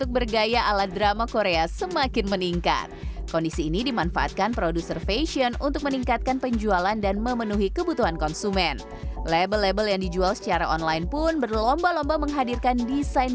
bagaimana situasi ini